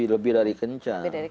lebih dari kencang